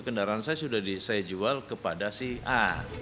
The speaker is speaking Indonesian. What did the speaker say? kendaraan saya sudah saya jual kepada si a